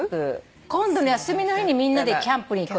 今度の休みの日にみんなでキャンプに行く。